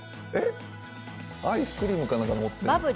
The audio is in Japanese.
アイスクリームかなんか持ってる？